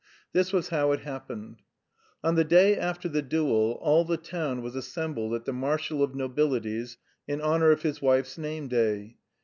This was how it happened. On the day after the duel, all the town was assembled at the Marshal of Nobility's in honour of his wife's nameday.